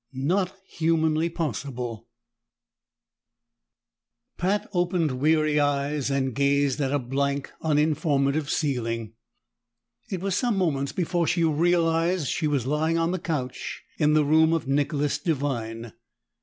31 "Not Humanly Possible" Pat opened weary eyes and gazed at a blank, uninformative ceiling. It was some moments before she realized that she was lying on the couch in the room of Nicholas Devine.